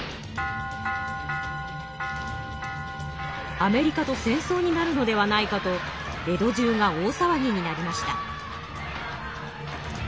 アメリカと戦争になるのではないかと江戸じゅうが大さわぎになりました。